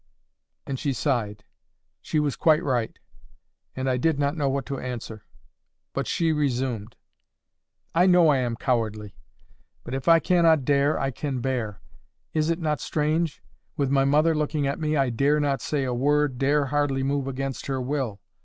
And she sighed.—She was quite right, and I did not know what to answer. But she resumed. "I know I am cowardly. But if I cannot dare, I can bear. Is it not strange?—With my mother looking at me, I dare not say a word, dare hardly move against her will.